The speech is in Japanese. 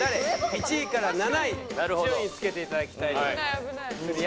１位から７位順位付けていただきたいと思います。